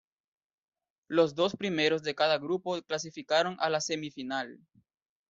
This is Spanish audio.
Los dos primeros de cada grupo clasificaron a la semi final.